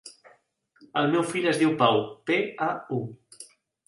El meu fill es diu Pau: pe, a, u.